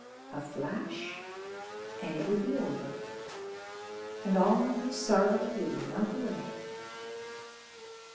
A flash and it would be over, and all her sorrow would melt away....